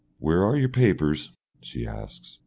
"Where are your papers?" she asks.